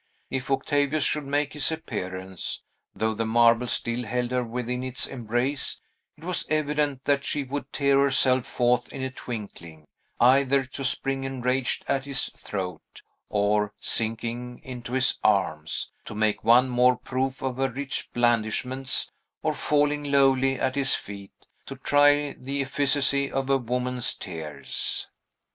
If Octavius should make his appearance, though the marble still held her within its embrace, it was evident that she would tear herself forth in a twinkling, either to spring enraged at his throat, or, sinking into his arms, to make one more proof of her rich blandishments, or, falling lowly at his feet, to try the efficacy of a woman's tears.